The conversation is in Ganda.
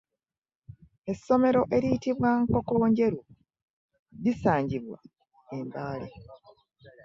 Essomero eriyitibw ankoko njeru risangibwa e'Mbaale .